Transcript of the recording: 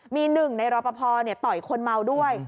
มีหนึ่งในรอปภต่อยคนเมาด้วย